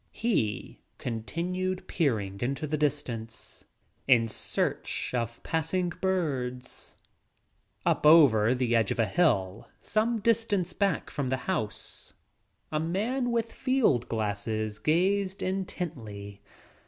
He continued peering into the distance in search of passing birds. Up over the edge of a hill some distance back from the house a man with field glasses gazed in tently.